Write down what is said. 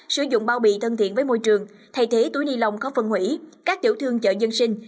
sử dụng bao bì thân thiện với môi trường thay thế túi ni lông khó phân hủy các tiểu thương chợ dân sinh